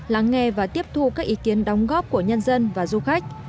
lắng nghe và tiếp thu các ý kiến đóng góp của nhân dân và du khách